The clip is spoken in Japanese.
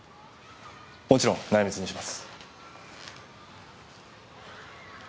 もちろん内密にします。